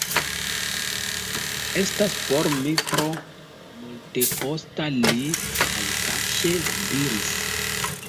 Estas por mi tro multekosta, li malkaŝe diris.